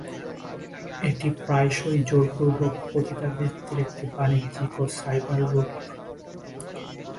এটি প্রায়শই জোর পূর্বক পতিতাবৃত্তির একটি বাণিজ্যিক ও সাইবার রূপ।